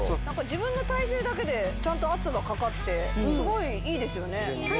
何か自分の体重だけでちゃんと圧がかかってすごいいいですよね